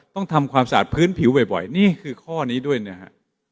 ต้องทำความสะอาดพื้นผิวบ่อยนี่คือข้อนี้ด้วยนะฮะ